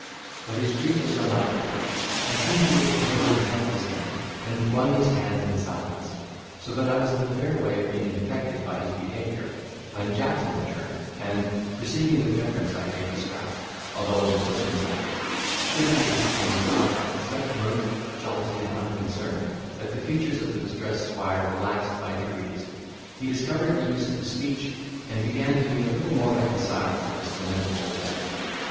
But his grief was unutterable: he seemed to give attention without listening, and wrung his hands in silence; so that I was in a fair way of being infected by his behaviour, when Jackson returned, and, perceiving the deference I paid to Strap, although in a footman's habit, distributed his crumbs of comfort with such mirth, jollity and unconcern, that the features of the distressed squire relaxed by degrees; he recovered the use of speech, and began to be a little more reconciled to this lamentable event.